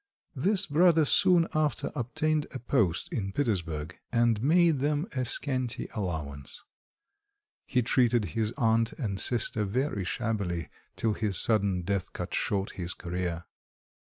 This brother soon after obtained a post in Petersburg, and made them a scanty allowance. He treated his aunt and sister very shabbily till his sudden death cut short his career.